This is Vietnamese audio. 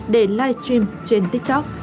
để live stream trên tiktok